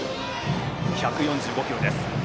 １４５キロです。